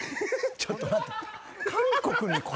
ちょっと待って。